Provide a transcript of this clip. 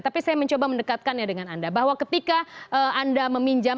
tapi saya mencoba mendekatkannya dengan anda bahwa ketika anda meminjam